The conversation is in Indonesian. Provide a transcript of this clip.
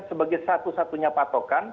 tidak bisa dijadikan sebagai satu satunya patokan